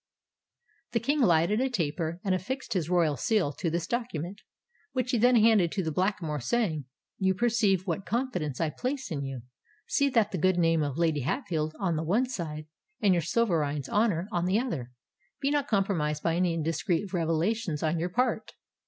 The King lighted a taper, and affixed his royal seal to this document, which he then handed to the Blackamoor, saying, "You perceive what confidence I place in you: see that the good name of Lady Hatfield on the one side, and your Sovereign's honour on the other, be not compromised by any indiscreet revelations on your part."